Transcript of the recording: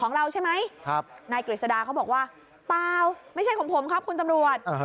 เราใช่ไหมนายกฤษฎาเขาบอกว่าเปล่าไม่ใช่ของผมครับคุณตำรวจ